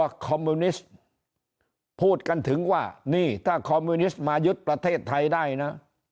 ศิรินธิกลัวคอมมิวนิสต์พูดกันถึงว่าถ้าคอมมิวนิคซ์มายึดประเทศไทยได้นะ